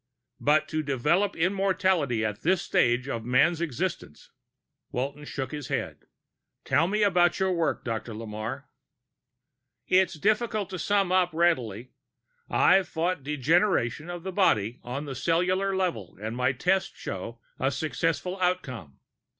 "But to develop immortality at this stage of man's existence...." Walton shook his head. "Tell me about your work, Dr. Lamarre." "It's difficult to sum up readily. I've fought degeneration of the body on the cellular level, and my tests show a successful outcome.